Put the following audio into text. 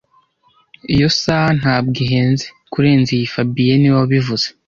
Iyo saha ntabwo ihenze kurenza iyi fabien niwe wabivuze